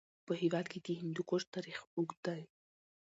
په هېواد کې د هندوکش تاریخ اوږد دی.